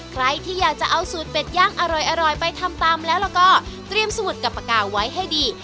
ใครที่อยากจะเอาสูตรเป็ดย่างอร่อยไปทำตามแล้วก็เตรียมสมุดกับปากกาไว้ให้ดี